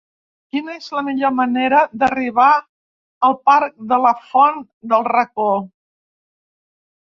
Quina és la millor manera d'arribar al parc de la Font del Racó?